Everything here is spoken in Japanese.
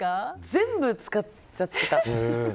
全部使っちゃってた。